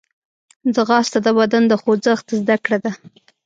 ځغاسته د بدن د خوځښت زدهکړه ده